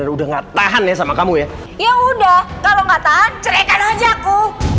udah nggak tahan ya sama kamu ya ya udah kalau kata cerita aja aku